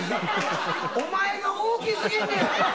「お前が大き過ぎんねや」